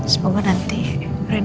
semoga nanti rena memaafin elok saya